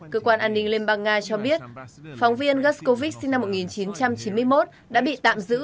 cơ quan an ninh liên bang nga cho biết phóng viên gascowk sinh năm một nghìn chín trăm chín mươi một đã bị tạm giữ